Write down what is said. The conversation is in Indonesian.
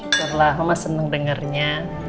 syukurlah mama seneng dengarnya